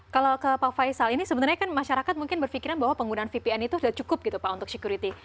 kalau ke pak faisal ini sebenarnya kan masyarakat mungkin berpikiran bahwa penggunaan vpn itu sudah cukup gitu pak untuk security